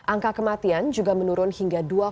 angka kematian juga menurun hingga dua puluh dua persen